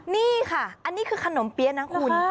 นี่ค่ะอันนี้คือขนมเปี๊ยะนะคุณ